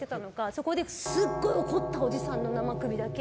そこで、すごい怒ったおじさんの生首だけ。